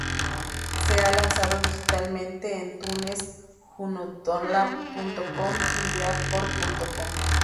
Se ha lanzado digitalmente en "iTunes", "junodownload.com" y "Beatport.com".